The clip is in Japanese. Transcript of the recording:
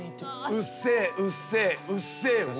うっせぇうっせぇうっせぇわ」